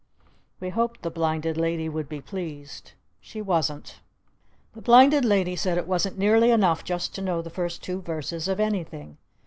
We hoped the Blinded Lady would be pleased. She wasn't! The Blinded Lady said it wasn't nearly enough just to know the first two verses of anything!